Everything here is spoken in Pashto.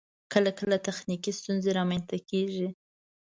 کله کله تخنیکی ستونزې رامخته کیږی